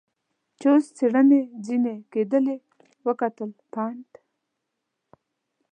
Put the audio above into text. چې اوس څېړنې ځنې کېدلې وکتل، پنډ.